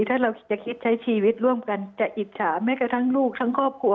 ถ้าเราจะคิดใช้ชีวิตร่วมกันจะอิจฉาแม้กระทั่งลูกทั้งครอบครัว